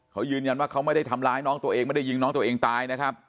เขายืนยันว่าเขาไม่ได้ทำร้ายน้องตัวเองไม่ได้ยิงน้องตัวเองตายนะครับ